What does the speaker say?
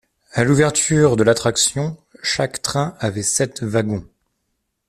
À l'ouverture de l'attraction, chaque train avait sept wagons.